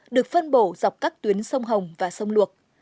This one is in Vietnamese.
được phân bổ dọc các tuyến sông hồng và sông luộc